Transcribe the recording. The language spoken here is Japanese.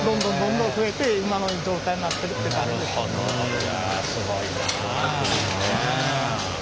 いやすごいな。